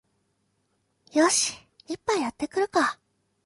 よし、一杯やってくるか